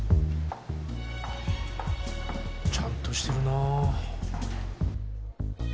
ちゃんとしてるなぁ。